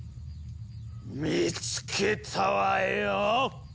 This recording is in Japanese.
見つけたわよ！